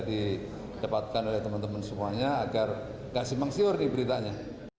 dikepatkan oleh teman teman semuanya agar gak simpang siur diberitanya